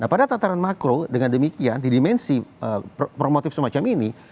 nah pada tataran makro dengan demikian di dimensi promotif semacam ini